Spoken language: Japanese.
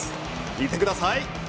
見てください。